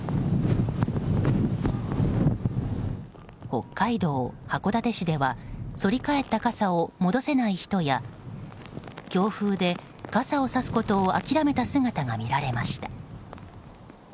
北海道函館市では反り返った傘を戻せない人や強風で傘をさすことを諦めた姿が見られました。